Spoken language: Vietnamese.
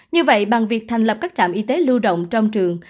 như vậy bằng việc thành lập các trạm y tế lưu động trong trường